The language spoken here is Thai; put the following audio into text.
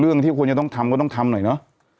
ที่ควรจะต้องทำก็ต้องทำหน่อยเนอะ